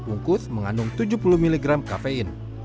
bungkus mengandung tujuh puluh mg kafein